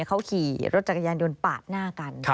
เขาขี่รถจักรยานยนต์ปาดหน้ากัน